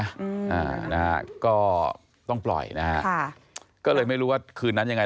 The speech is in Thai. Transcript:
อ่านะฮะก็ต้องปล่อยนะฮะค่ะก็เลยไม่รู้ว่าคืนนั้นยังไง